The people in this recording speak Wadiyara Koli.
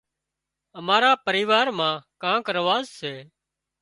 امار پريوار مان ڪانڪ رواز سي